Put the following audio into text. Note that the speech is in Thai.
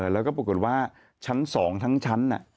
แล้วก็ปรากฏว่าชั้น๒ทั้งชั้น